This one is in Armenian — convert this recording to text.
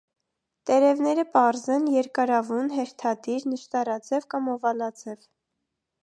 Տերևները պարզ են, երկարավուն, հերթադիր, նշատարձև կամ օվալաձև։